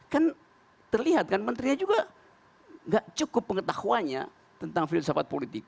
kan terlihat kan menterinya juga nggak cukup pengetahuannya tentang filsafat politik